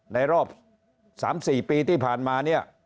ในรอบ๓๔ปีที่ผ่านมา